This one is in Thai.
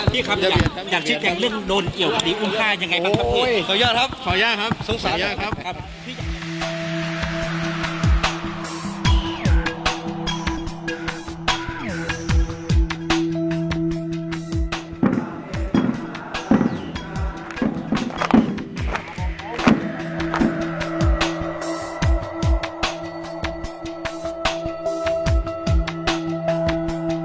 พี่ครับอยากอยากชิดแข่งเรื่องโดนเกี่ยวกับดีวงฆาตยังไงบ้างครับพี่